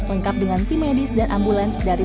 lengkap dengan tim medis dan ambulans dari